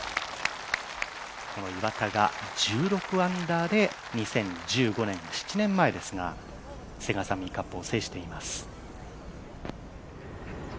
岩田が１６アンダーで２０１５年、７年前ですがセガサミーカップを制しています。